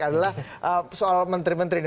adalah soal menteri menteri ini